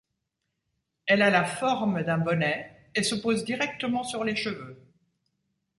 Elle a la forme d'un bonnet et se pose directement sur les cheveux.